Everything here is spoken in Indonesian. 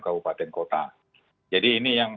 kabupaten kota jadi ini yang